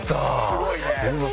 すごいね。